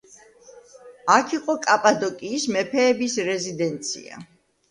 აქ იყო კაპადოკიის მეფეების რეზიდენცია.